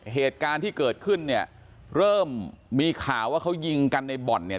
เหตุการณ์ที่เกิดขึ้นเนี่ยเริ่มมีข่าวว่าเขายิงกันในบ่อนเนี่ย